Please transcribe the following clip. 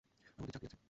আমাদের চাকরি আছে।